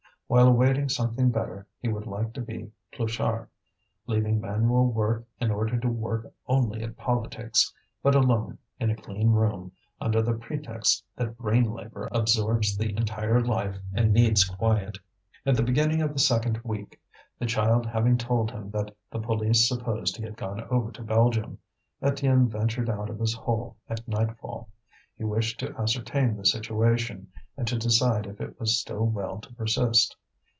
While awaiting something better he would like to be Pluchart, leaving manual work in order to work only at politics, but alone, in a clean room, under the pretext that brain labour absorbs the entire life and needs quiet. At the beginning of the second week, the child having told him that the police supposed he had gone over to Belgium, Étienne ventured out of his hole at nightfall. He wished to ascertain the situation, and to decide if it was still well to persist.